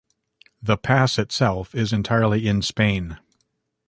The pass itself is entirely in Spain.